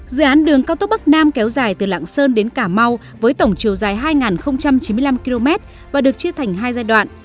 dự án đường cao tốc bắc nam kéo dài từ lạng sơn đến cà mau với tổng chiều dài hai chín mươi năm km và được chia thành hai giai đoạn